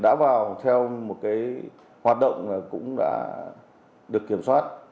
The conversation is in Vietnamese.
đã vào theo một hoạt động cũng đã được kiểm soát